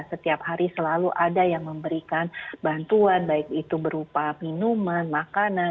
setiap hari selalu ada yang memberikan bantuan baik itu berupa minuman makanan